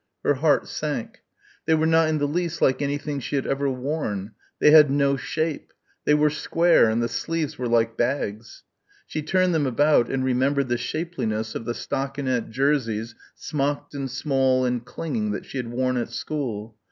Her heart sank. They were not in the least like anything she had ever worn. They had no shape. They were square and the sleeves were like bags. She turned them about and remembered the shapeliness of the stockinette jerseys smocked and small and clinging that she had worn at school.